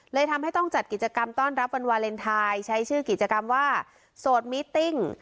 เลยทำให้ต้องจัดกิจกรรมต้อนรับวันวาเลนไทยใช้ชื่อกิจกรรมว่าโสดมิตติ้ง